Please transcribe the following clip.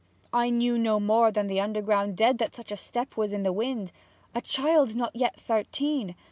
'I knew no more than the underground dead that such a step was in the wind! A child not yet thirteen!